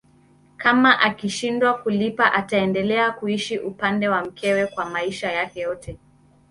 Kama akishindwa kulipa ataendelea kuishi upande wa mkewe kwa maisha yake yote